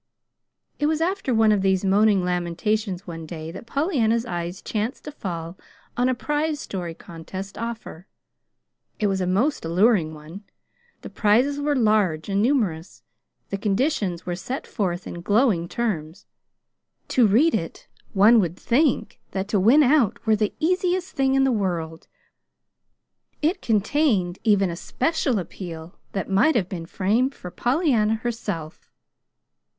It was after one of these moaning lamentations one day that Pollyanna's eyes chanced to fall on a prize story contest offer. It was a most alluring one. The prizes were large and numerous. The conditions were set forth in glowing terms. To read it, one would think that to win out were the easiest thing in the world. It contained even a special appeal that might have been framed for Pollyanna herself.